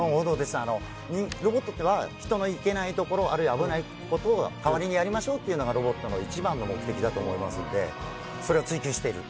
ロボットは人の行けないところあるいは危ないことを代わりにやりましょうというのがロボットの一番の目的なのでそれを追及してる。